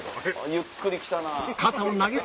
ゆっくり来たな。